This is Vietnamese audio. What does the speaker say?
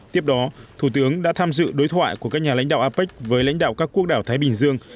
tiếp đó thủ tướng đã tham dự đối thoại của các nhà lãnh đạo apec với lãnh đạo các quốc đảo thái bình dương